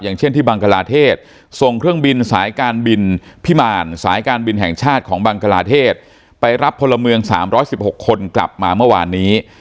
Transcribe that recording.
เช่นที่บังกลาเทศส่งเครื่องบินสายการบินพิมารสายการบินแห่งชาติของบังกลาเทศไปรับพลเมือง๓๑๖คนกลับมาเมื่อวานนี้